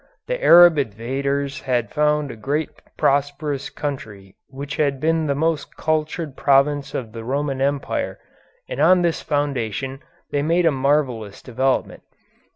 The Arab invaders had found a great prosperous country which had been the most cultured province of the Roman Empire, and on this foundation they made a marvellous development.